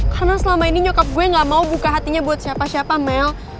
karena selama ini nyokap gue ga mau buka hatinya buat siapa siapa mel